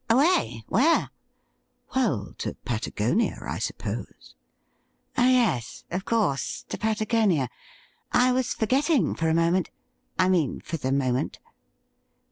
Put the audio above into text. ' Away, where .?'' Well, to Patagonia, I suppose.' ' Oh yes, of course, to Patagonia. I was forgetting for a moment — I mean, for the moment.'